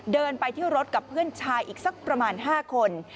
เดินไปที่รถกับเพื่อนชายอีกสักประมาณ๕คน